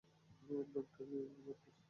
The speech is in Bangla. ওর নামটা যেন কী বলেছিলেন?